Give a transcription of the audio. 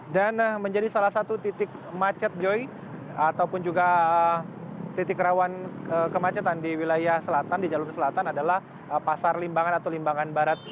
dan menjadi salah satu titik macet joy ataupun juga titik rawan kemacetan di wilayah selatan di jalur selatan adalah pasar limbangan atau limbangan barat